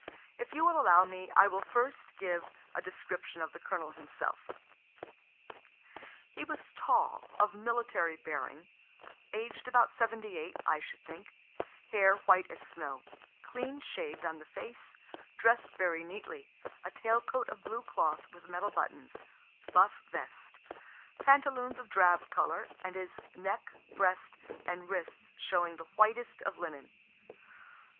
If you will allow me, I will first give a description of the Colonel himself. He was tall, of military bearing, aged about 78, I should think, hair white as snow, clean shaved on the face, dress'd very neatly, a tail coat of blue cloth with metal buttons, buff vest, pantaloons of drab color, and his neck, breast and wrists showing the whitest of linen.